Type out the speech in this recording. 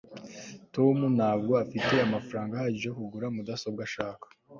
tom ntabwo afite amafaranga ahagije yo kugura mudasobwa ashaka